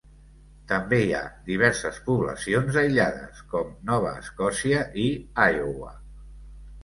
També hi ha diverses poblacions aïllades, com Nova Escòcia i Iowa.